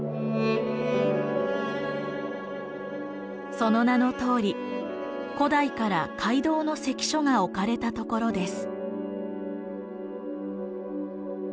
その名のとおり古代から街道の関所が置かれたところです。